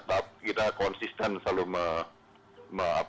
tetap kita konsisten selalu